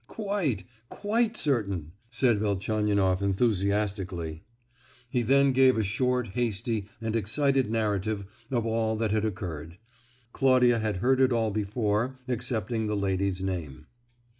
"Quite, quite certain!" said Velchaninoff enthusiastically. He then gave a short, hasty, and excited narrative of all that had occurred. Claudia had heard it all before, excepting the lady's name.